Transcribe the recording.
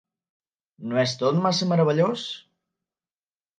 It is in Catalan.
No és tot massa meravellós?